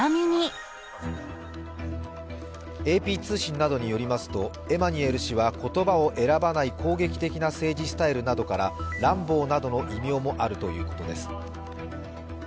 ＡＰ通信などによりますと、エマニュエル氏は言葉を選ばない攻撃的な政治スタイルなどからランボーなどの異名もあるということです。